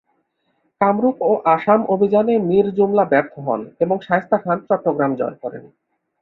কামরূপ ও আসাম অভিযানে মীরজুমলা ব্যর্থ হন এবং শায়েস্তা খান চট্টগ্রাম জয় করেন।